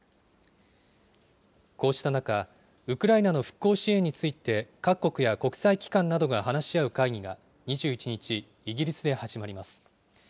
こうした中、ウクライナの復興支援について、各国や国際機関などが話し合う会議が２１日、イギリスで始まります。